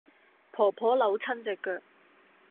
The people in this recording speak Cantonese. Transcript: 婆婆扭親隻腳